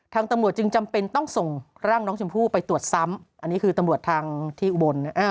ตำรวจจึงจำเป็นต้องส่งร่างน้องชมพู่ไปตรวจซ้ำอันนี้คือตำรวจทางที่อุบล